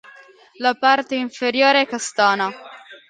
La parte inferiore è castana.